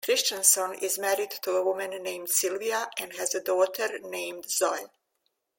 Christianson is married to a woman named Sylvia and has a daughter named Zoe.